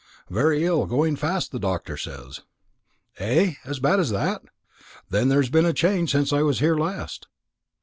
"Very ill; going fast, the doctor says." "Eh? As bad as that? Then there's been a change since I was here last."